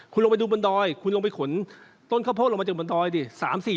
คุณลงไปดูบนดอยคุณลงไปขนต้นข้าวโพดลงมาจากบนดอยดิ